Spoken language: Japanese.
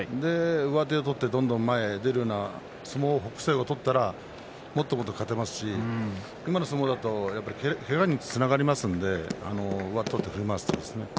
上手を取ってどんどん前に出るような相撲を北青鵬、取ったらもっともっと勝てますし今の相撲だとけがにつながりますのでばっと振り回しますとね。